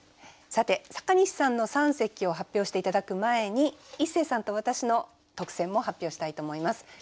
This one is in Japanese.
さて阪西さんの三席を発表して頂く前にイッセーさんと私の特選も発表したいと思います。